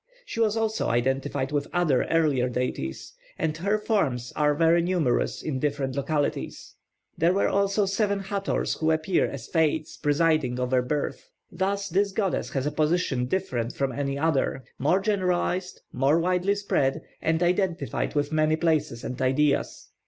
She was also identified with other earlier deities; and her forms are very numerous in different localities. There were also seven Hathors who appear as Fates, presiding over birth. Thus this goddess has a position different from any other, more generalised, more widely spread, and identified with many places and ideas.